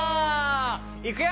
いくよ！